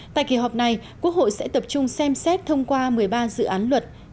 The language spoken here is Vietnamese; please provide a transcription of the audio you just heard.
tại kỳ họp này quốc hội sẽ tập trung xem xét thông qua một mươi ba dự án luật